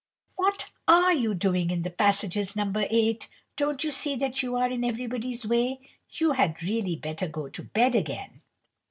"What are you doing in the passages, No. 8? Don't you see that you are in everybody's way? You had really better go to bed again."